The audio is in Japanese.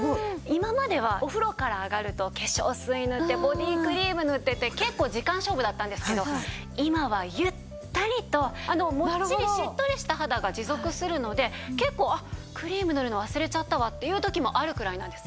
今まではお風呂から上がると化粧水塗ってボディークリーム塗ってって結構時間勝負だったんですけど今はゆったりとあのもっちりしっとりした肌が持続するので結構あっクリーム塗るの忘れちゃったわっていう時もあるくらいなんです。